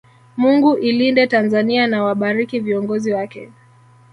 Mungu ilinde Tanzania na wabariki viongozi wake